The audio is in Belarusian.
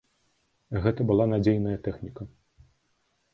Гэта была надзейная тэхніка.